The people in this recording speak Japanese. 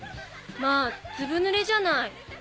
まあずぶぬれじゃない。